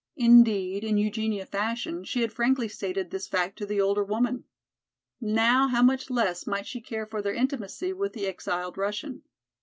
Indeed, in Eugenia fashion she had frankly stated this fact to the older woman. Now how much less might she care for their intimacy with the exiled Russian.